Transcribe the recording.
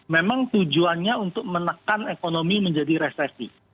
memang tujuannya untuk menekan ekonomi menjadi resesi